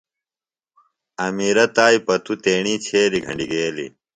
امیرہ تائیۡ پتو تیݨی چھیلیۡ گھنڈیۡ گیلیۡ۔